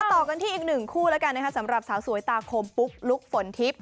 ต่อกันที่อีกหนึ่งคู่แล้วกันนะคะสำหรับสาวสวยตาคมปุ๊กลุ๊กฝนทิพย์